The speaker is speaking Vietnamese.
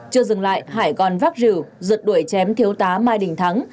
chưa dừng lại hải còn vác rìu giật đuổi chém thiếu tá mai đình thắng